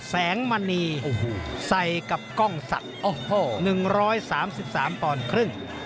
แสงมณีใส่กับกล้องศักดิ์๑๓๓ปอนด์ครึ่ง